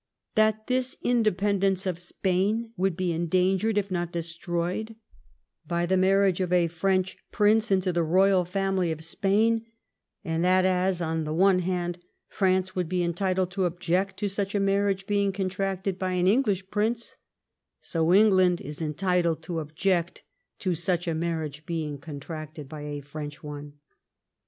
That this independence of Spain would be endangered, if not destroyed, by the marriage of a French prince into the royal family of Spain ; and that as, on the one hand, France would be entitled to object to such a marriage being contracted by an English prince, so Elngland is entitled to object to such a marriage being contracted by a French one.